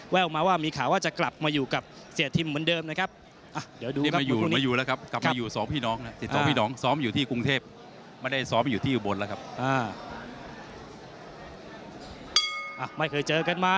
ออกมาว่ามีข่าวว่าจะกลับมาอยู่กับเสียทิมเหมือนเดิมนะครับ